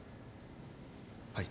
はい。